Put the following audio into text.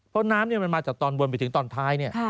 เพราะท่านรองนี้มาจากตอนบนในตอนท้าย